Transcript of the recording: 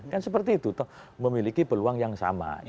kan seperti itu memiliki peluang yang sama